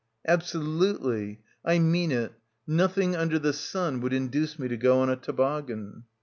"Absolutely. I mean it. Nothing under the sun would induce me to go on a toboggan."